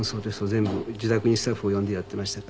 全部自宅にスタッフを呼んでやってましたから。